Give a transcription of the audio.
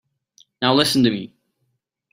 Now listen to me.